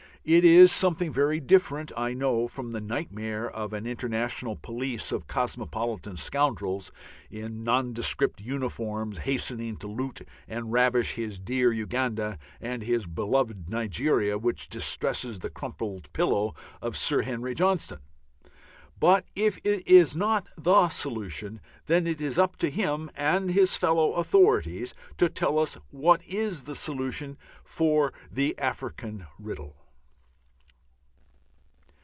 It is something very different, I know, from the nightmare of an international police of cosmopolitan scoundrels in nondescript uniforms, hastening to loot and ravish his dear Uganda and his beloved Nigeria, which distresses the crumpled pillow of Sir Harry Johnston. But if it is not the solution, then it is up to him and his fellow authorities to tell us what is the solution of the African riddle.